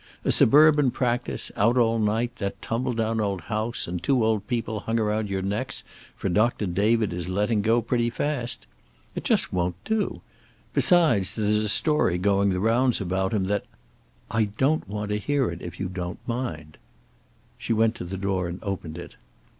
A suburban practice, out all night, that tumble down old house and two old people hung around your necks, for Doctor David is letting go pretty fast. It just won't do. Besides, there's a story going the rounds about him, that " "I don't want to hear it, if you don't mind." She went to the door and opened it.